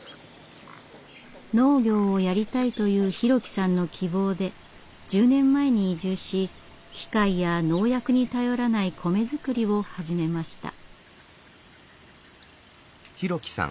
農業をやりたいという大樹さんの希望で１０年前に移住し機械や農薬に頼らない米作りを始めました。